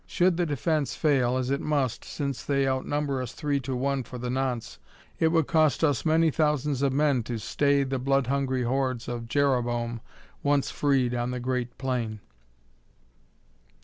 Should the defense fail, as it must since they outnumber us three to one for the nonce it would cost us many thousands of men to stay the blood hungry hordes of Jereboam once freed on the great plain."